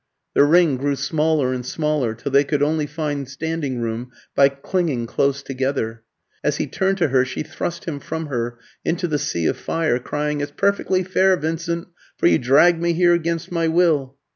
The ring grew smaller and smaller, till they could only find standing room by clinging close together. As he turned to her she thrust him from her into the sea of fire, crying, "It's perfectly fair, Vincent, for you dragged me here against my will!"